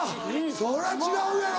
そりゃ違うやろ。